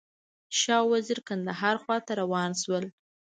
شاه او وزیر کندهار خواته روان شول.